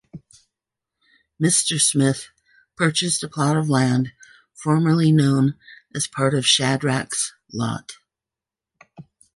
Mr. Smith purchased a plot of land formerly known as part of Shadrack's Lot.